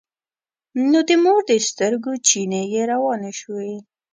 نو د مور د سترګو چينې يې روانې شوې.